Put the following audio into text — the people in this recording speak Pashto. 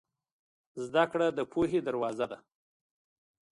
زده کړه د پوهې دروازه ده.